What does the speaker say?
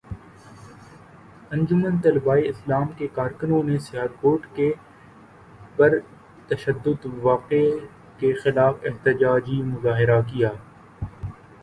انجمن طلباء اسلام کے کارکنوں نے سیالکوٹ کے پرتشدد واقعے کے خلاف احتجاجی مظاہرہ کیا